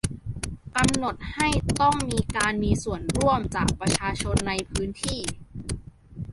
กำหนดให้ต้องมีการมีส่วนร่วมจากประชาชนในพื้นที่